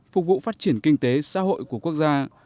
phục vụ phát triển kinh tế xã hội của quốc gia